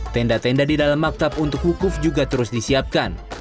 tenda tenda di dalam maktab untuk wukuf juga terus disiapkan